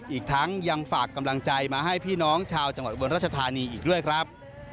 อีกทั้งยังฝากกำลังใจมาให้พี่น้องชาวจังหวัดอุบลรัชธานีอีกด้วยครับ